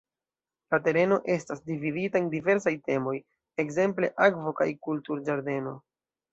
La tereno estas dividita en diversaj temoj, ekzemple "akvo- kaj kultur-ĝardeno".